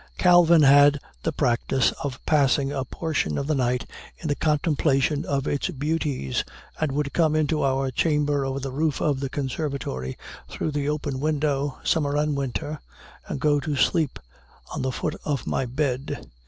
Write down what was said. Calvin had the practice of passing a portion of the night in the contemplation of its beauties, and would come into our chamber over the roof of the conservatory through the open window, summer and winter, and go to sleep on the foot of my bed.